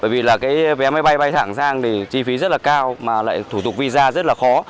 bởi vì vé máy bay bay thẳng sang thì chi phí rất là cao mà lại thủ tục visa rất là khó